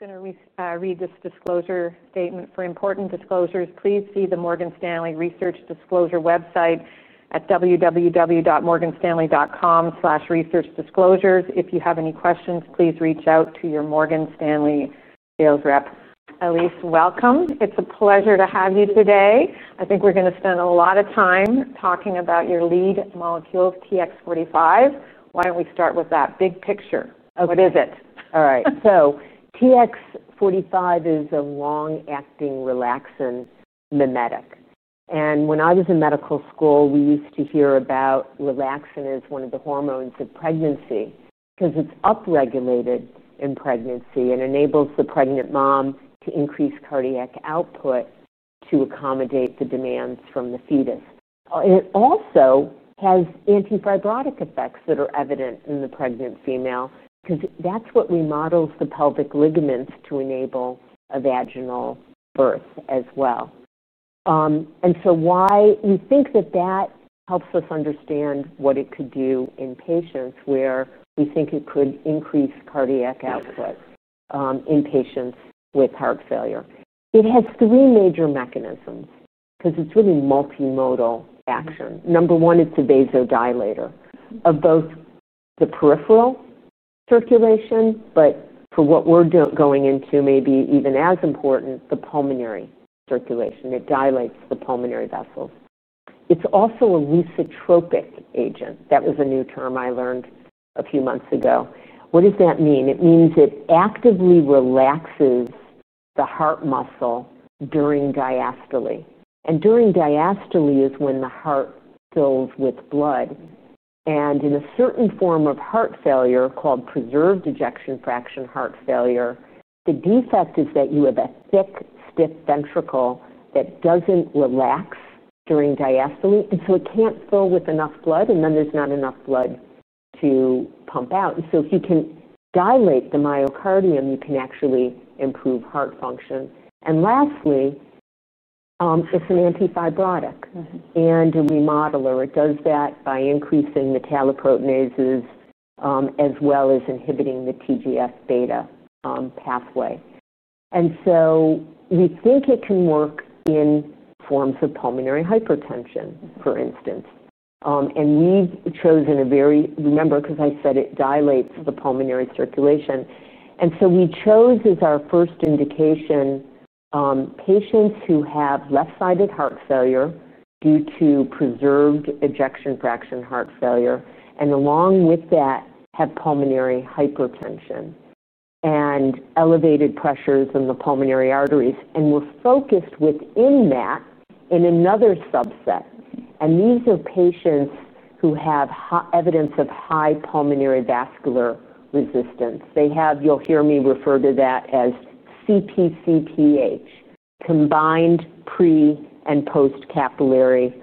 Going to read this disclosure statement. For important disclosures, please see the Morgan Stanley research disclosure website at www.morganstanley.com/researchdisclosures. If you have any questions, please reach out to your Morgan Stanley sales rep. Elyse, welcome. It's a pleasure to have you today. I think we're going to spend a lot of time talking about your lead molecules TX-forty five. Why don't we start with that big picture? What is it? All right. So TX TX45 is a long acting relaxin mimetic. And when I was in medical school, we used to hear about relaxin as one of the hormones of pregnancy because it's upregulated in pregnancy and enables the pregnant mom to increase cardiac output to accommodate the demands from the fetus. It also has antifibrotic effects that are evident in the pregnant female, because that's what remodels the pelvic ligaments to enable a vaginal birth as well. And so why we think that that helps us understand what it could do in patients where we think it could increase cardiac output in patients with heart failure. It has three major mechanisms because it's really multimodal action. Number one, it's a vasodilator of both the peripheral circulation, but for what we're going into maybe even as important, the pulmonary circulation. It dilates the pulmonary vessels. It's also a leisotropic agent. That was a new term I learned a few months ago. What does that mean? It means it actively relaxes the heart muscle during diastole. And during diastole is when the heart fills with blood. And in a certain form of heart failure called preserved ejection fraction heart failure, the defect is that you have a thick, stiff ventricle that doesn't relax during diastole. And so it can't fill with enough blood, and then there's not enough blood to pump out. And so if you can dilate the myocardium, you can actually improve heart function. And lastly, it's an antifibrotic and a remodeler. It does that by increasing metalloproteinases as well as inhibiting the TGF beta pathway. And so we think it can work in forms of pulmonary hypertension, for instance. And we've chosen a very remember, because I said it dilates the pulmonary circulation. And so we chose, as our first indication, patients who have left sided heart failure due to preserved ejection fraction heart failure, and along with that, have pulmonary hypertension and elevated pressures in the pulmonary arteries. And we're focused within that in another subset. And these are patients who have evidence of high pulmonary vascular resistance. They have you'll hear me refer to that as CPCPH, combined pre- and post capillary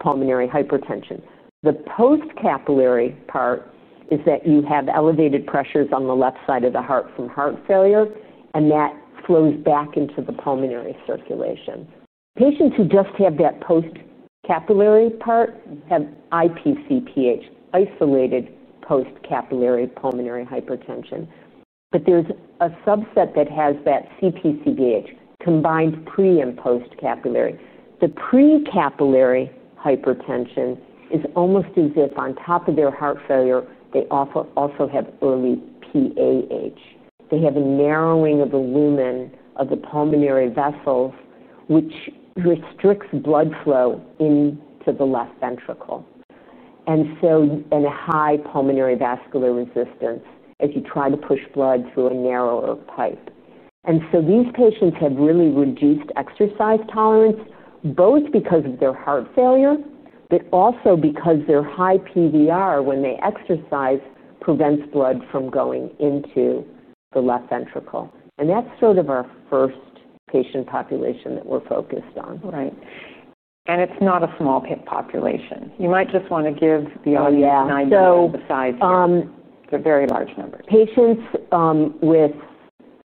pulmonary hypertension. The post capillary part is that you have elevated pressures on the left side of the heart from heart failure, and that flows back into the pulmonary circulation. Patients who just have that post capillary part have IPCPH, isolated postcapillary pulmonary hypertension. But there's a subset that has that CPCBH combined pre- and postcapillary. The precapillary hypertension is almost as if on top of their heart failure, they also have early PAH. They have a narrowing of the lumen of the pulmonary vessels, which restricts blood flow into the left ventricle and a high pulmonary vascular resistance as you try to push blood through a narrower pipe. And so these patients have really reduced exercise tolerance, both because of their heart failure, but also because their high PVR, when they exercise, prevents blood from going into the left ventricle. And that's sort of our first patient population that we're focused on. Right. And it's not a small population. You might just want to give the audience an idea of the size. They're very large numbers. Patients with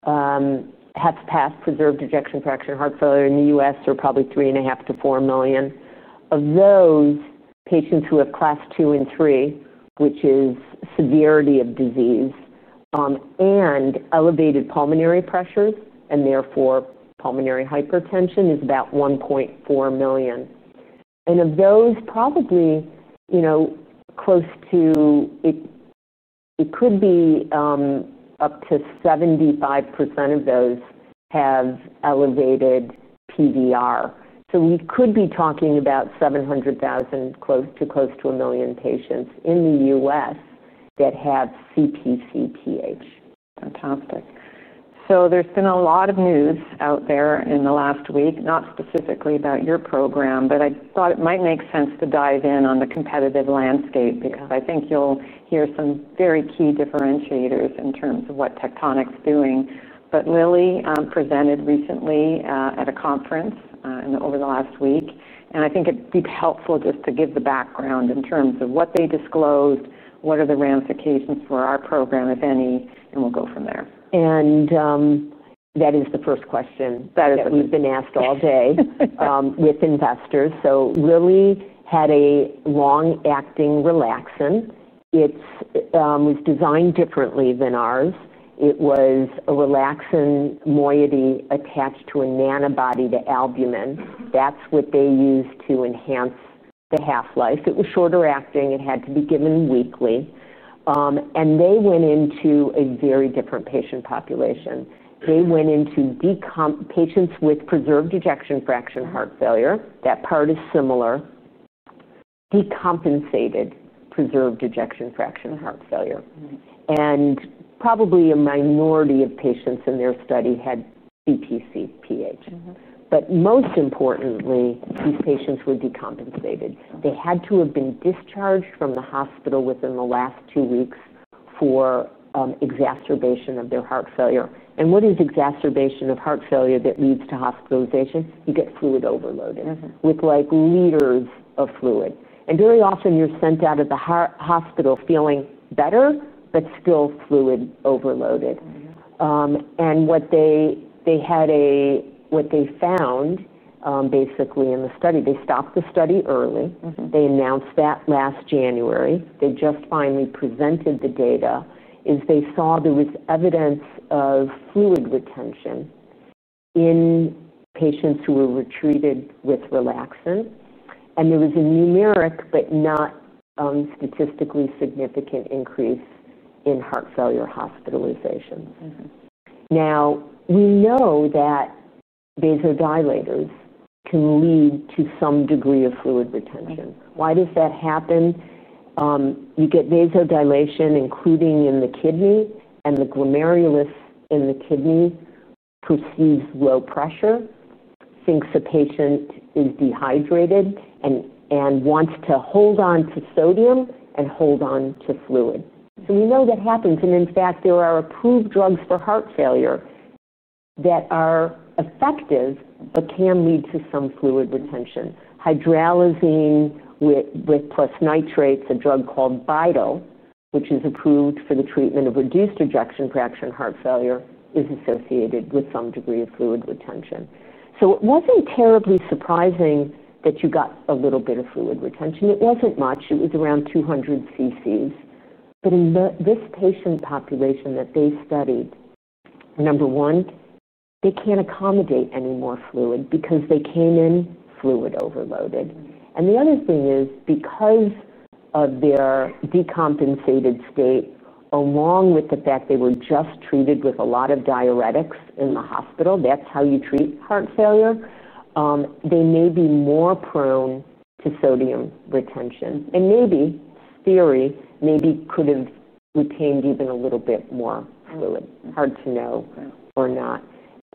HEPPAS preserved ejection fraction heart failure in The U. S. Are probably three point five to four million. Of those, patients who have Class II and III, which is severity of disease, and elevated pulmonary pressures, and therefore, pulmonary hypertension is about one point four million. And of those, probably close to it could be up to seventy five percent of those have elevated PVR. So we could be talking about seven hundred thousand, close close to one million patients in The US that have CPCTH. Fantastic. So there's been a lot of news out there in the last week, not specifically about your program, but I thought it might make sense to dive in on the competitive landscape because I think you'll hear some very key differentiators in terms of what Tectonic is doing. But Lilly presented recently at a conference over the last week, and I think it'd be helpful just to give the background in terms of what they disclosed, what are the ramifications for our program, if any, and we'll go from there. And that is the first question that we've been asked all day with investors. So Lilly had a long acting relaxant. It was designed differently than ours. It was a relaxin moiety attached to an antibody to albumin. That's what they used to enhance the half life. It was shorter acting. It had to be given weekly. And they went into a very different patient population. They went into patients with preserved ejection fraction heart failure. That part is similar. Decompensated preserved ejection fraction heart failure. And probably a minority of patients in their study had BPCPH. But most importantly, these patients were decompensated. They had to have been discharged from the hospital within the last two weeks for exacerbation of their heart failure. And what is exacerbation of heart failure that leads to hospitalization? You get fluid overloaded with like liters of fluid. And very often, you're sent out of the hospital feeling better but still fluid overloaded. And what they had a what they found basically in the study, they stopped announced that last January. They just finally presented the data. As they saw, there was evidence of fluid retention in patients who were retreated with relaxant. And there was a numeric but not statistically significant increase in heart failure hospitalizations. Now, we know that vasodilators can lead to some degree of fluid retention. Why does that happen? You get vasodilation, including in the kidney, and the glomerulus in the kidney perceives low pressure, thinks the patient is dehydrated and wants to hold on to sodium and hold on to fluid. So we know that happens. And in fact, there are approved drugs for heart failure that are effective but can lead to some fluid retention. Hydralazine with plus nitrates, a drug called Vidal, which is approved for the treatment of reduced ejection fraction heart failure, is associated with some degree of fluid retention. So it wasn't terribly surprising that you got a little bit of fluid retention. It wasn't much. It was around 200 ccs. But in this patient population that they studied, number one, they can't accommodate any more fluid because they came in fluid overloaded. And the other thing is because of their decompensated state, along with the fact they were just treated with a lot of diuretics in the hospital that's how you treat heart failure they may be more prone to sodium retention. And maybe, theory, maybe could have retained even a little bit more fluid. Hard to know or not.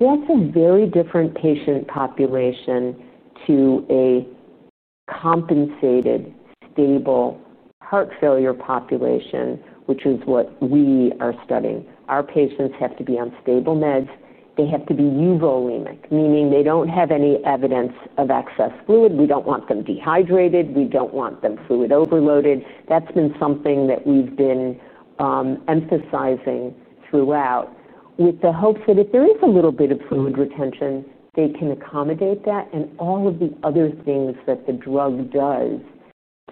That's a very different patient population to a compensated, stable heart failure population, which is what we are studying. Our patients have to be on stable meds. They have to be euvolemic, meaning they don't have any evidence of excess fluid. We don't want them dehydrated. We don't want them fluid overloaded. That's been something that we've been emphasizing throughout, with the hope that if there is a little bit of fluid retention, they can accommodate that. And all of the other things that the drug does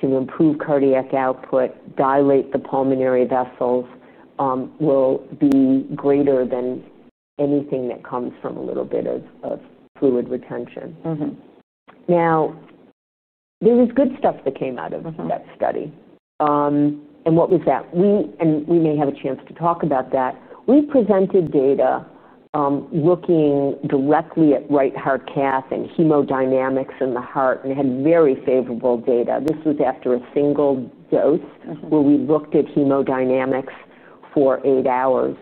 to improve cardiac output, dilate the pulmonary vessels, will be greater than anything that comes from a little bit of fluid retention. Now, there was good stuff that came out of that study. And what was that? And we may have a chance to talk about that. We presented data looking directly at right heart cath and hemodynamics in the heart, and it had very favorable data. This was after a single dose where we looked at hemodynamics for eight hours.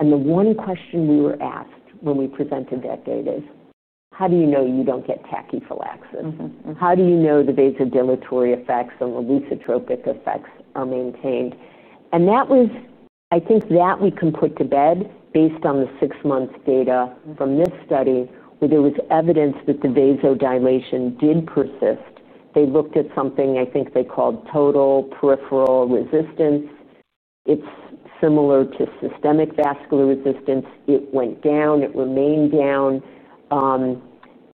And the one question we were asked when we presented that data is, how do you know you don't get tachyphylaxis? How do you know the vasodilatory effects and the leisotropic effects are maintained? And I think that we can put to bed based on the six month data from this study, where there was evidence that the vasodilation did persist. They looked at something I think they called total peripheral resistance. It's similar to systemic vascular resistance. It went down. It remained down.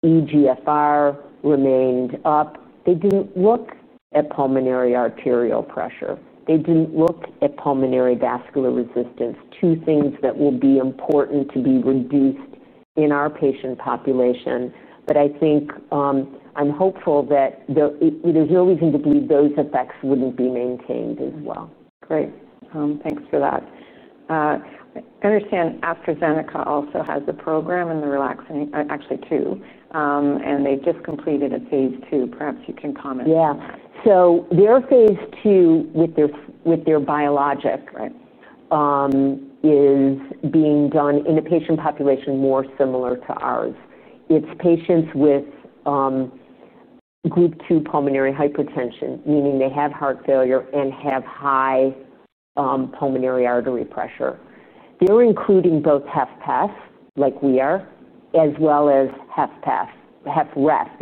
EGFR remained up. They didn't look at pulmonary arterial pressure. They didn't look at pulmonary vascular resistance, two things that will be important to be reduced in our patient population. But I think I'm hopeful that there's no reason to believe those effects wouldn't be maintained as well. Great. Thanks for that. I understand AstraZeneca also has a program in the relaxing actually, two. And they just completed a Phase II. Perhaps you can comment. Yes. So their Phase II with their biologic is being done in a patient population more similar to ours. It's patients with group II pulmonary hypertension, meaning they have heart failure and have high pulmonary artery pressure. They're including both HFpEF, like we are, as well as HFpEF,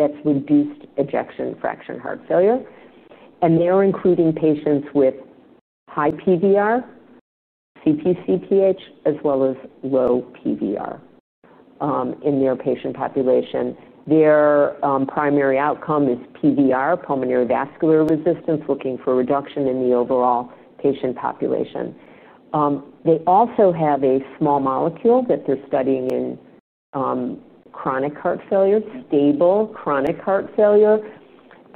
that's Reduced Ejection Fraction Heart Failure. And they are including patients with high PVR, CPCTH, as well as low PVR in their patient population. Their primary outcome is PVR, pulmonary vascular resistance, looking for reduction in the overall patient population. They also have a small molecule that they're studying in chronic heart failure, stable chronic heart failure.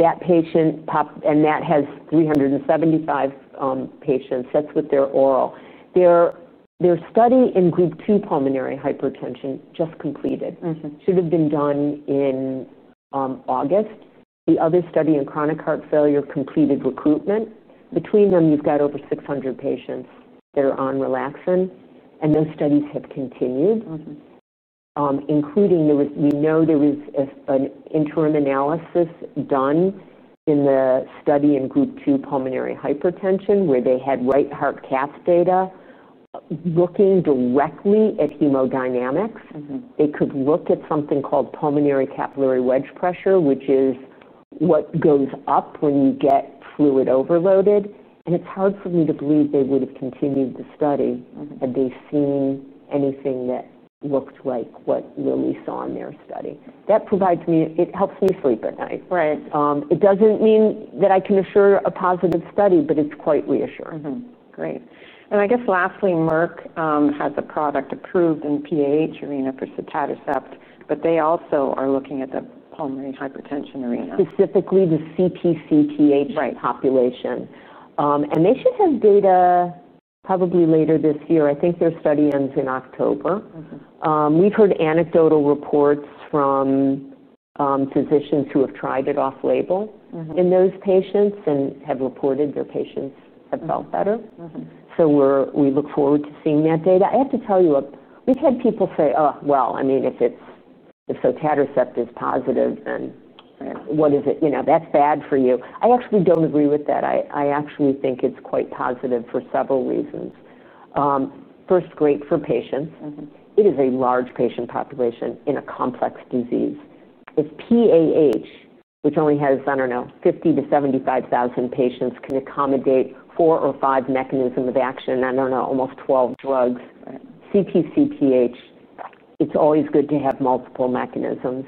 That patient popped and that has three seventy five patients. That's with their oral. Their study in group two pulmonary hypertension just completed. Should have been done in August. The other study in chronic heart failure completed recruitment. Between them, you've got over 600 patients that are on relaxin. And those studies have continued, including we know there is an interim analysis done in the study in group II pulmonary hypertension, where they had right heart cath data. Looking directly at hemodynamics, They could look at something called pulmonary capillary wedge pressure, which is what goes up when you get fluid overloaded. And it's hard for me to believe they would have continued the study had they seen anything that looked like what Lilly saw in their study? That provides me it helps me sleep at night. It doesn't mean that I can assure a positive study, but it's quite reassuring. Great. And I guess lastly, Merck has a product approved in PAH arena for sotatercept, but they also are looking at the pulmonary hypertension arena. Specifically, the CPCTH population. And they should have data probably later this year. I think their study ends in October. We've heard anecdotal reports from physicians who have tried it off label in those patients and have reported their patients have felt better. So we look forward to seeing that data. I have to tell you, we've had people say, Well, I mean, if it's sotatercept is positive, then what is it that's bad for you. I actually don't agree with that. I actually think it's quite positive for several reasons. First, great for patients. It is a large patient population in a complex disease. If PAH, which only has, I don't know, 50,000 to 75,000 patients, can accommodate four or five mechanisms of action, I don't know, almost 12 drugs, CT, CTH. It's always good to have multiple mechanisms.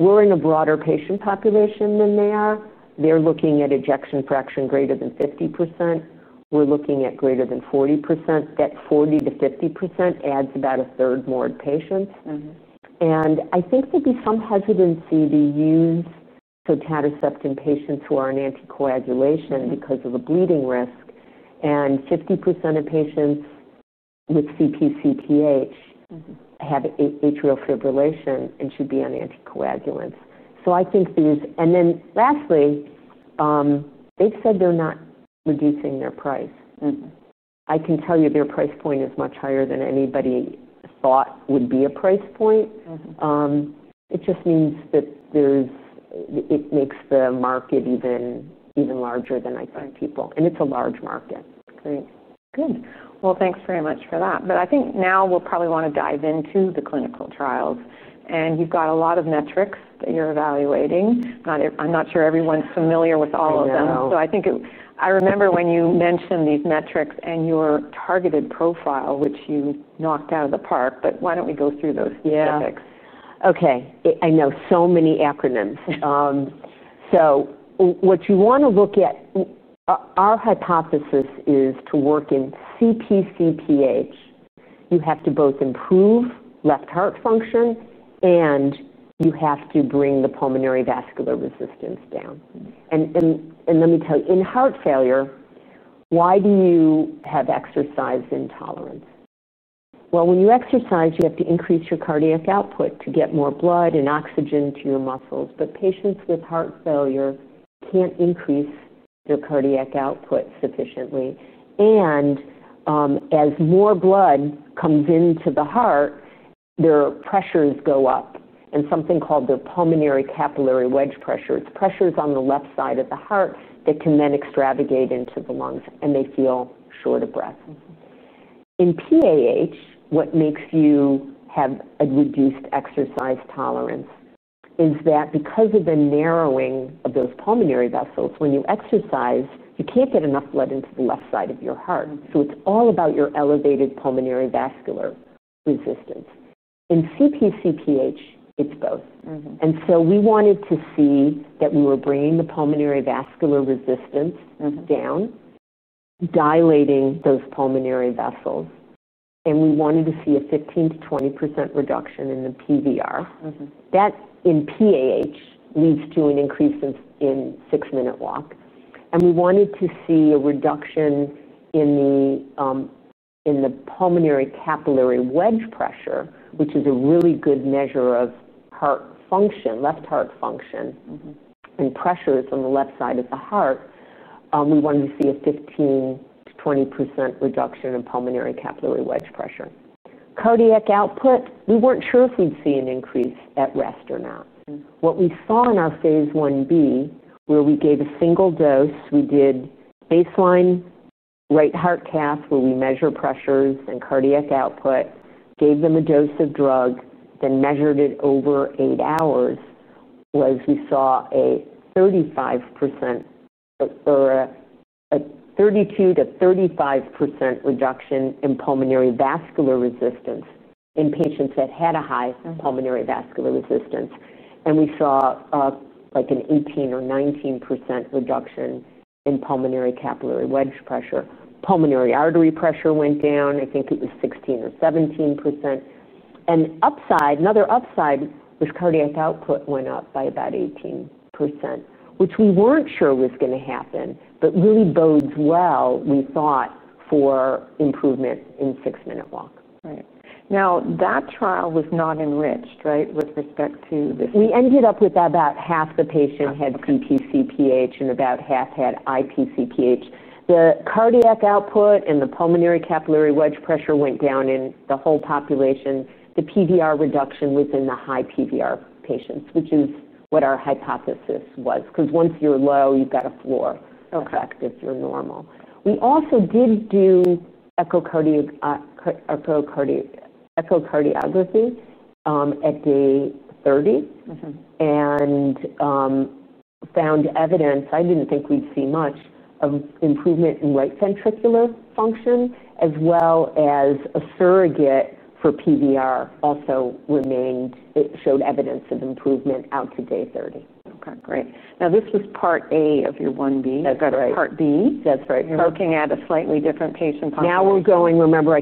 We're in a broader patient population than they are. They're looking at ejection fraction greater than fifty percent. We're looking at greater than forty percent. That forty percent to fifty percent adds about onethree more to patients. And I think there'll be some hesitancy to use tetadercept in patients who are in anticoagulation because of a bleeding risk. And fifty percent of patients with CP, CTH have atrial fibrillation and should be on anticoagulants. So I think there is and then lastly, they've said they're not reducing their price. I can tell you their price point is much higher than anybody thought would be a price point. It just means that it makes the market even larger than I find people. And it's a large market. Great. Good. Well, thanks very much for that. But I think now we'll probably want to dive into the clinical trials. And you've got a lot of metrics that you're evaluating. I'm not sure everyone's familiar with all of No. So I think I remember when you mentioned these metrics and your targeted profile, which you knocked out of the park, but why don't we go through those specifics? Yes. Okay. I know so many acronyms. So what you want to look at our hypothesis is to work in CPCPH. You have to both improve left heart function, and you have to bring the pulmonary vascular resistance down. And let me tell you, in heart failure, why do you have exercise intolerance? Well, when you exercise, you have to increase your cardiac output to get more blood and oxygen to your muscles. But patients with heart failure can't increase their cardiac output sufficiently. And as more blood comes into the heart, their pressures go up. And something called the pulmonary capillary wedge pressure, it's pressures on the left side of the heart that can then extravagate into the lungs, and they feel short of breath. In PAH, what makes you have a reduced exercise tolerance is that because of the narrowing of those pulmonary vessels, when you exercise, you can't get enough blood into the left side of your heart. So it's all about your elevated pulmonary vascular resistance. In CP, CPH, it's both. And so we wanted to see that we were bringing the pulmonary vascular resistance down, dilating those pulmonary vessels. And we wanted to see a 15% to 20% reduction in the PVR. That, in PAH, leads to an increase in six minute walk. And we wanted to see a reduction in the pulmonary capillary wedge pressure, which is a really good measure of heart function, left heart function, and pressures on the left side of the heart. We wanted to see a 15% to 20% reduction in pulmonary capillary wedge pressure. Cardiac output, we weren't sure if we'd see an increase at rest or not. What we saw in our Phase Ib, where we gave a single dose, we did baseline right heart cath where we measure pressures and cardiac output, gave them a dose of drug, then measured it over eight hours, was we saw a or a 32% to 35 reduction in pulmonary vascular resistance in patients that had a high pulmonary vascular resistance. And we saw like an eighteen percent or 19% reduction in pulmonary capillary wedge pressure. Pulmonary artery pressure went down. I think it was 16% or 17%. And upside, another upside was cardiac output went up by about 18%, which we weren't sure was going to happen but really bodes well, we thought, for improvement in six minute walk. Right. Now that trial was not enriched, right, with respect to this? We ended up with about half the patient had PTCPH and about half had IPCPH. The cardiac output and the pulmonary capillary wedge pressure went down in the whole population. The PVR reduction was in the high PVR patients, which is what our hypothesis was. Because once you're low, you've got a floor We effect if you're also did do echocardiography at day thirty and found evidence I didn't think we'd see much of improvement in right ventricular function as well as a surrogate for PVR also remained it showed evidence of improvement out to day thirty. Okay, great. Now this was Part A of your 1b. Is that right? Part B? That's right. Looking at a slightly different patient population. Now we're going remember, I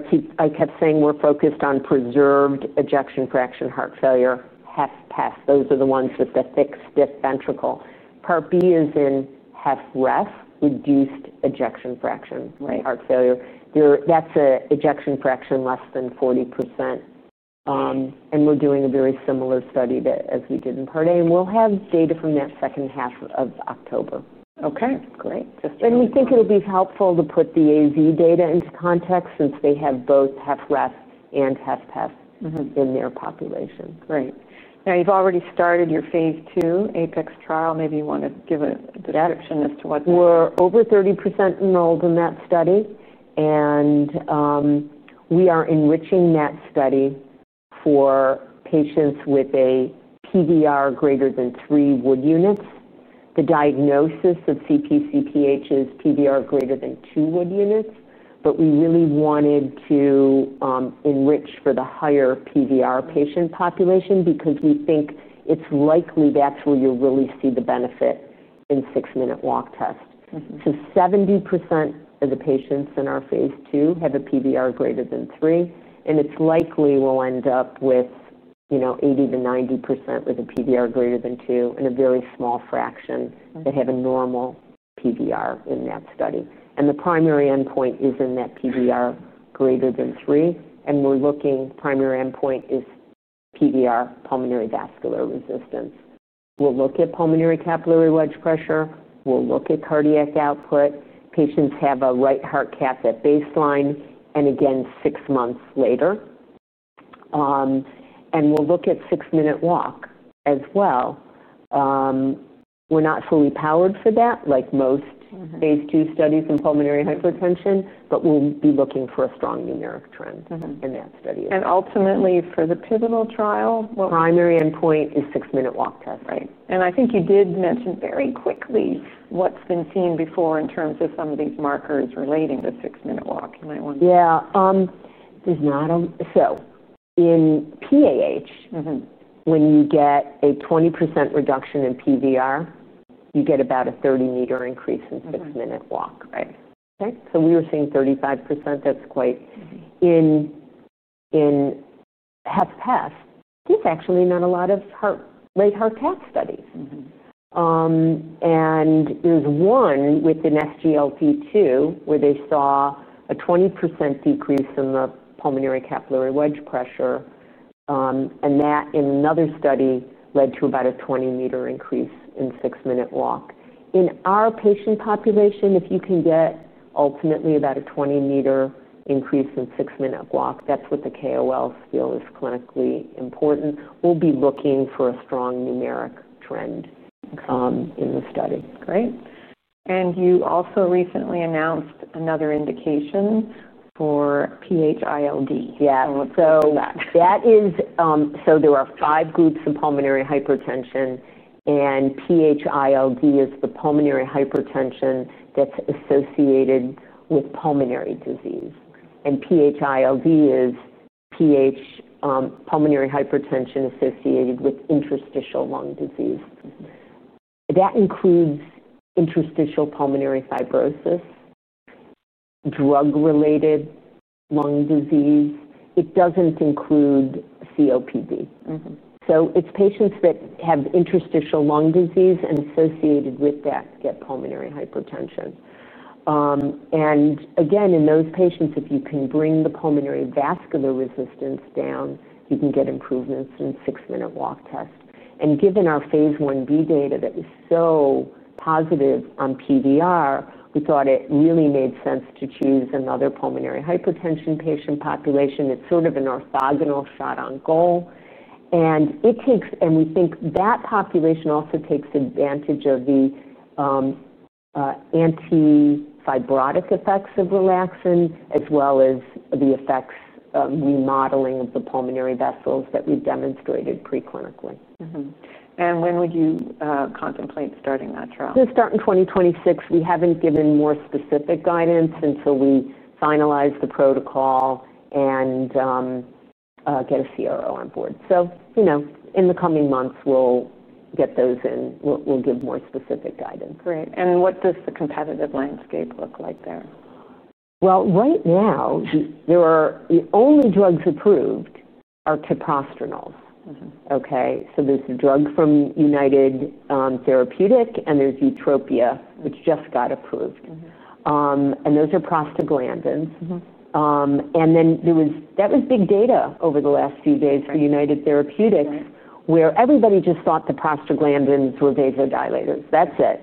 kept saying we're focused on preserved ejection fraction heart heart failure, HFpEF. Those are the ones with the fixed, stiff ventricle. Part B is in HFREF, reduced ejection fraction That's heart ejection fraction less than 40%. And we're doing a very similar study as we did in Part A. And we'll have data from that October. Okay. Great. And we think it will be helpful to put the AZ data into context since they have both HFrEF and HFpEF in their population. Great. Now you've already started your Phase II APeX trial. Maybe you want to give a description We're as to what over thirty percent enrolled in that study, and we are enriching that study for patients with a PVR greater than three wood units. The diagnosis of CPCPH is PVR greater than two wood units. But we really wanted to enrich for the higher PVR patient population because we think it's likely that's where you'll really see the benefit in six minute walk test. So seventy percent of the patients in our Phase II have a PVR greater than three, and it's likely we'll end up with eighty percent to ninety percent with a PVR greater than two and a very small fraction that have a normal PVR in that study. And the primary endpoint is in that PVR greater than three. And we're looking primary endpoint is PVR, pulmonary vascular resistance. We'll look at pulmonary capillary wedge pressure. We'll look at cardiac output. Patients have a right heart cath at baseline and, again, six months later. And we'll look at six minute walk as well. We're not fully powered for that, like most Phase II studies in pulmonary hypertension, but we'll be looking for a strong numeric trend in that study. And ultimately, for the pivotal trial, primary endpoint is six minute walk test. And I think you did mention very quickly what's been seen before in terms of some of these markers relating to six minute walk. You might want Yeah. There's not in PAH, when you get a 20% reduction in PVR, you get about a 30 meter increase in six minute walk. So we were seeing thirty five percent. That's quite in half past. There's actually not a lot of late heart cath studies. And there's one within SGLT2 where they saw a 20% decrease in the pulmonary capillary wedge pressure. And that, in another study, led to about a 20 meter increase in six minute walk. In our patient population, if you can get ultimately about a 20 meter increase in six minute walk, that's what the KOLs feel is clinically important, we'll be looking for a strong numeric trend in the study. Great. And you also recently announced another indication for PHILD. Yeah. There are five groups in pulmonary hypertension. And PHILD is the pulmonary hypertension that's associated with pulmonary disease. And PHILD is PH pulmonary hypertension associated with interstitial lung disease. That includes interstitial pulmonary fibrosis, drug related lung disease. It doesn't include COPD. So it's patients that have interstitial lung disease and associated with that get pulmonary hypertension. And again, in those patients, if you can bring the pulmonary vascular resistance down, you can get improvements in six minute walk test. And given our Phase Ib data that was so positive on PVR, we thought it really made sense to choose another pulmonary hypertension patient population. It's sort of an orthogonal shot on goal. And it takes and we think that population also takes advantage of the antifibrotic effects of relaxin as well as the effects of remodeling of the pulmonary vessels that we've demonstrated preclinically. And when would you contemplate starting that trial? We'll start in 2026. We haven't given more specific guidance until we finalize the protocol and get a CRO on board. So in the coming months, we'll get those in. We'll give more specific guidance. Great. And what does the competitive landscape look like there? Well, right now, there are the only drugs approved are caprosternals, okay? So there's a drug from United Therapeutics, and there's Utopia, which just got approved. And those are prostaglandins. And then there was that was big data over the last few days for United Therapeutics, where everybody just thought the prostaglandins were vasodilators. That's it.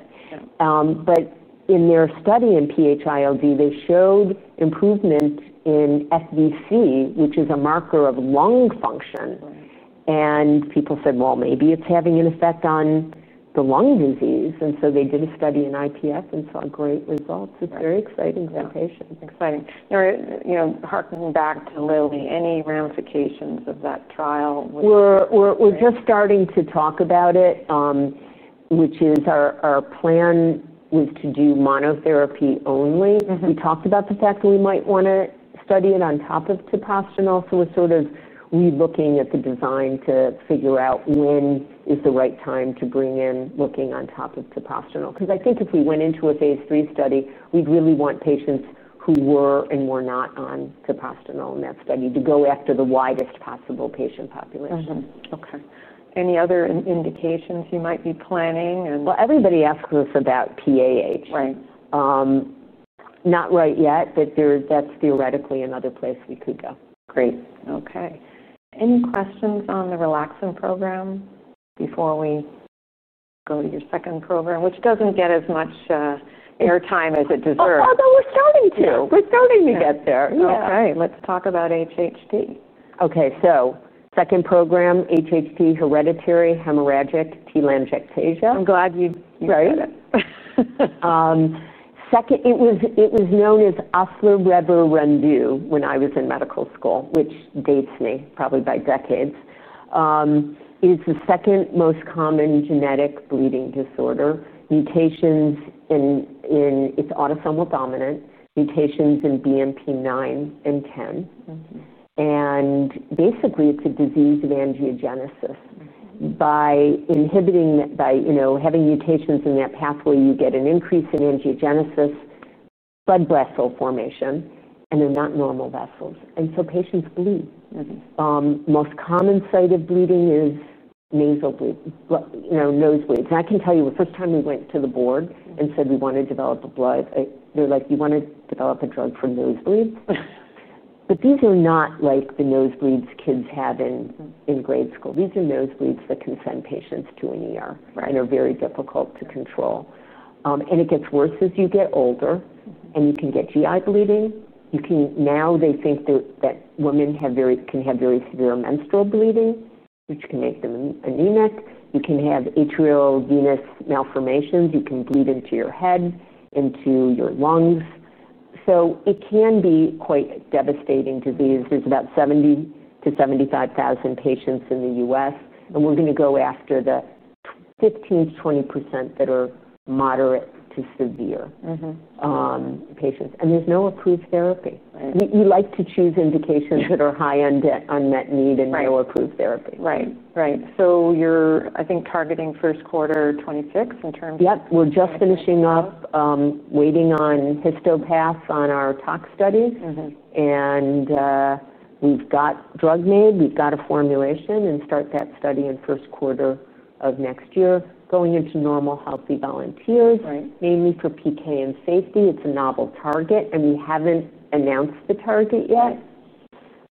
But in their study in PH ILD, they showed improvement in FVC, which is a marker of lung function. And people said, Well, maybe it's having an effect on the lung disease. And so they did a study in IPF and saw great results. It's very exciting for Yes, exciting. Harkening back to Lilly, any ramifications of that trial? We're just starting to talk about it, which is our plan was to do monotherapy only. We talked about the fact that we might want to study it on top of topostanol. So we're sort of relooking at the design to figure out when is the right time to bring in looking on top of topostanol. Because I think if we went into a Phase III study, we'd really want patients who were and were not on capostanol in that study to go after the widest possible patient population. Okay. Any other indications you might be planning? Well, everybody asks us about PAH. Not right yet, but that's theoretically another place we could go. Great. Okay. Any questions on the Relaxin program before we go to your second program, which doesn't get as much airtime as it deserves. Although we're starting to. We're starting to get there. All right. Let's talk about HHD. Okay. So second program, HHD Hereditary Hemorrhagic Telangiectasia. I'm glad you Right. Did Second, it was known as when I was in medical school, which dates me probably by decades. It's the second most common genetic bleeding disorder. Mutations in it's autosomal dominant. Mutations in BMP-nine and BMP-ten. And basically, it's a disease of angiogenesis. Inhibiting by having mutations in that pathway, you get an increase in angiogenesis, blood vessel formation, and they're not normal vessels. And so patients bleed. Most common site of bleeding is nasal nosebleeds. And I can tell you, the first time we went to the board and said, we want to develop a blood they're like, you want to develop a drug for nosebleeds? But these are not like the nosebleeds kids have in grade school. These are nosebleeds that can send patients to an ER and are very difficult to control. And it gets worse as you get older, and you can get GI bleeding. Now they think that women can have very severe menstrual bleeding, which can make them anemic. You can have atrial venous malformations. You can bleed into your head, into your lungs. So it can be quite devastating disease. There's about seventy thousand to seventy five thousand patients in The US, And we're going to go after the fifteen percent to twenty percent that are moderate to severe patients. And there's no approved therapy. You like to choose indications that are high end to unmet need in Mayo approved therapy. Right. So you're, I think, targeting first quarter twenty twenty six in terms of Yes. We're just finishing up waiting on histopath on our tox studies. And we've got drug made. We've got a formulation and start that study in first quarter of next year. Going into normal healthy volunteers, mainly for PK and safety, it's a novel target. And we haven't announced the target yet.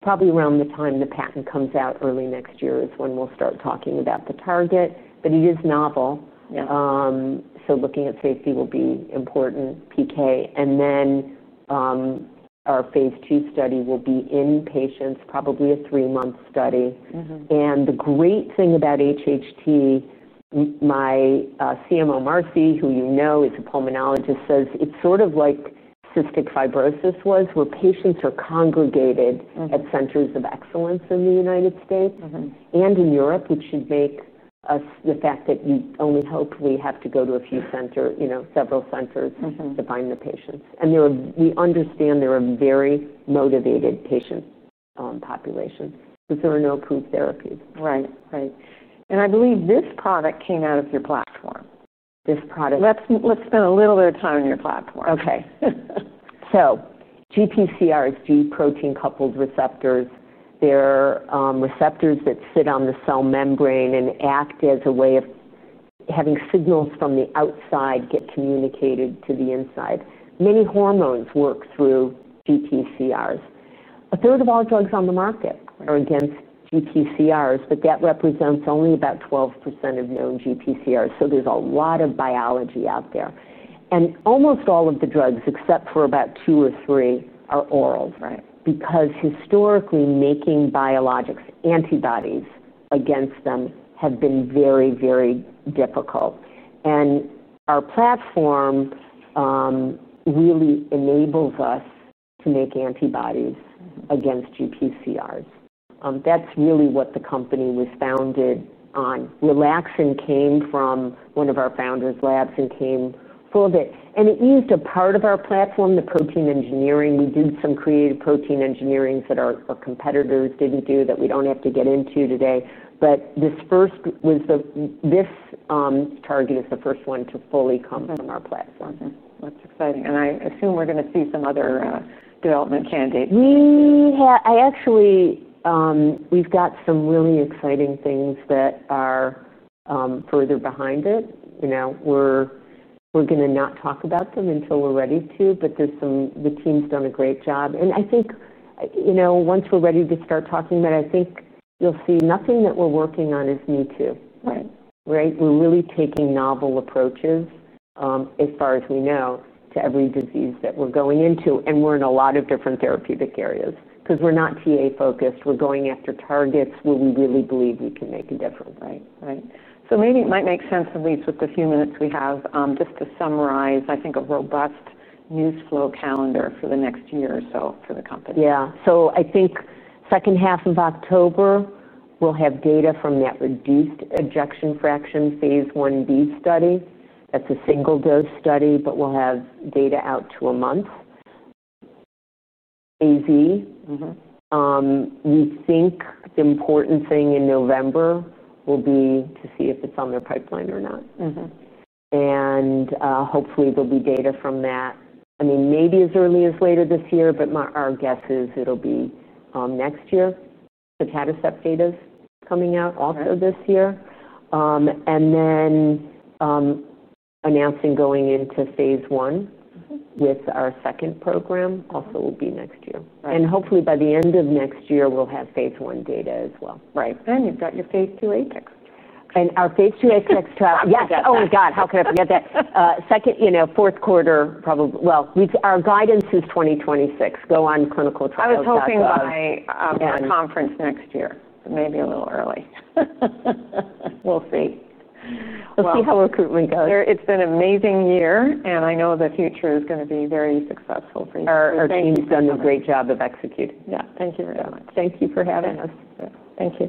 Probably around the time the patent comes out early next year is when we'll start talking about the target. But it is novel. So looking at safety will be important PK. And then our Phase II study will be in patients, probably a three month study. And the great thing about HHT, my CMO, Marcy, who you know is a pulmonologist, says it's sort of like cystic fibrosis was, where patients are congregated at centers of excellence in The United States and in Europe, which should make us the fact that we only hope we have to go to a few centers, several centers to find the patients. And we understand they are very motivated patient population because there are no approved therapies. Right. And I believe this product came out of your platform. This product. Let's spend a little bit of time on your platform. Okay. So GPCR is G protein coupled receptors. They're receptors that sit on the cell membrane and act as a way of having signals from the outside get communicated to the inside. Many hormones work through GPCRs. Onethree of all drugs on the market are against GPCRs, but that represents only about 12% of known GPCRs. So there's a lot of biology out there. And almost all of the drugs, except for about two or three, are oral, because historically, making biologics antibodies against them have been very, very difficult. And our platform really enables us to make antibodies against GPCRs. That's really what the company was founded on. Relaxin came from one of our founders' labs and came full of it. And it eased a part of our platform, the protein engineering. We did some creative protein engineerings that our competitors didn't do that we don't have to get into today. But this first was the this target is the first one to fully come from That's our exciting. And I assume we're going to see some other development candidates. We I actually we've got some really exciting things that are further behind it. We're going to not talk about them until we're ready to. But there's some the team's done a great job. And I think once we're ready to start talking, then I think you'll see nothing that we're working on is new to. Right? We're really taking novel approaches, as far as we know, to every disease that we're going into. And we're in a lot of different therapeutic areas because we're not TA focused. We're going after targets where we really believe we can make a difference. Right? So maybe it might make sense, Elyse, with the few minutes we have, just to summarize, I think, a robust news flow calendar for the next year or so for the company. Yes. So I think October, we'll have data from that reduced ejection fraction Phase Ib study. That's a single dose study, but we'll have data out to a month. We think the important thing in November will be to see if it's on their pipeline or not. And hopefully, there'll be data from that. I mean, maybe as early as later this year, but our guess is it will be next year. The tadacept data is coming out also And this then announcing going into Phase I with our second program also will be next year. And hopefully, by the end of next year, we'll have Phase I data as well. And you've got your Phase II ATEX. And our Phase II ATEX trial yes. Oh, my god. How can I forget that? Second fourth quarter probably well, our guidance is 2026. Go on clinical trials. Was hoping by I'm at a conference next year. It may be a little early. We'll see. We'll see how recruitment goes. It's been an amazing year, and I know the future is going to be very successful for you. Our team has done a great job of executing. Yes. Thank you very much. Thank you for having Thank you.